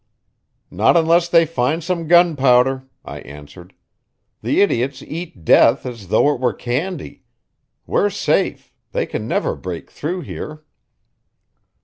"Not unless they find some gunpowder," I answered. "The idiots eat death as though it were candy. We're safe; they can never break through here."